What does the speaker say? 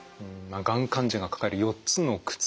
がん患者が抱える４つの苦痛